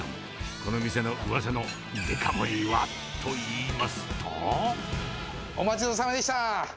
この店のうわさのデカ盛りはといお待ちどおさまでした。